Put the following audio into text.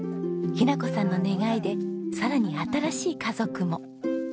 雛子さんの願いでさらに新しい家族も。